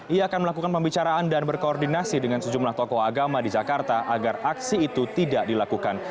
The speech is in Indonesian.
ia akan melakukan pembicaraan dan berkoordinasi dengan sejumlah tokoh agama di jakarta agar aksi itu tidak dilakukan